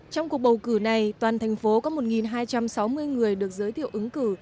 trong cuộc bầu cử này toàn thành phố có một hai trăm sáu mươi người được giới thiệu ứng cử